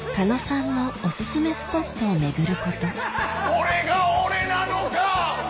これが俺なのか！